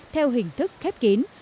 theo hình thức khép kín